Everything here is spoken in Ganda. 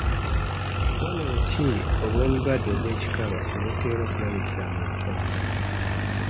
Bubonero ki obw’endwadde z’ekikaba obutera okulabikira mu basajja?